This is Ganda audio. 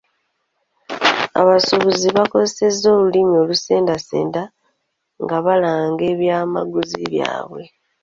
Abasuubuzi bakozesa olulimi olusendasenda nga balanga ebyamaguzi byaabwe.